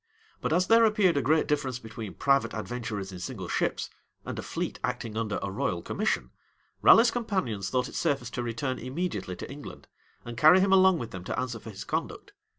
But as there appeared a great difference between private adventurers in single ships, and a fleet acting under a royal commission, Raleigh's companions thought it safest to return immediately to England, and carry him along with them to answer for his conduct.